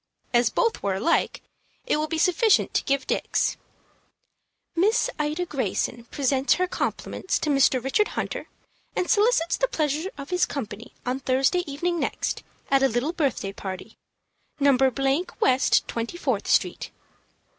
As both were alike, it will be sufficient to give Dick's. "Miss Ida Greyson presents her compliments to Mr. Richard Hunter, and solicits the pleasure of his company on Thursday evening next, at a little birthday party. "No. _West Twenty Fourth Street.